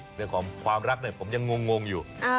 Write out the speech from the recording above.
เรื่องของความรักเนี่ยผมยังงงอยู่